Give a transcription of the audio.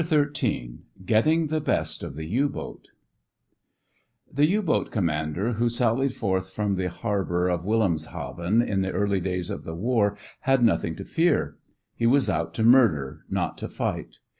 CHAPTER XIII GETTING THE BEST OF THE U BOAT The U boat commander who sallied forth from the harbor of Wilhelmshaven in the early days of the war had nothing to fear. He was out to murder, not to fight.